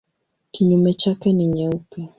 Kinyume chake ni nyeupe.